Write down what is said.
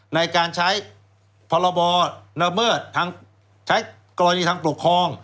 ในการใช้พรบละเมิดใช้กรณีทางปกครอง